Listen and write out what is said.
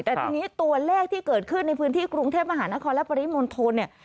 แต่ทีนี้ตัวเลขที่เกิดขึ้นในพื้นที่กรุงเทพมหานครและปริมณฑลเนี่ย